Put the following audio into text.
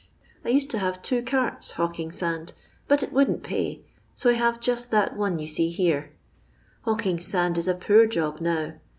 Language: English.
I uied to bare two cam hawking land, bat it wouldn't pay, m I hare Jait that one jron see there. Hawking aand it a poor job now.